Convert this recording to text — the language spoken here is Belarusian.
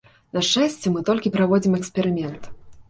На шчасце, мы толькі праводзім эксперымент.